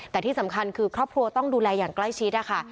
แต่ที่สำคัญคือครอบครัวต้องดูแลอย่างใกล้ชิดนะคะ